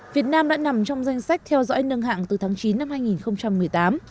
việt nam đã nằm trong danh sách theo dõi nâng hạng từ tháng chín năm hai nghìn một mươi tám